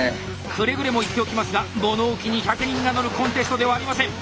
くれぐれも言っておきますが物置に１００人が乗るコンテストではありません。